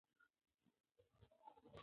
هغوی هیڅکله د بل چا امر نه دی منلی.